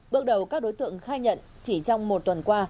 bước đầu các đối tượng khai nhận chỉ trong một tuần qua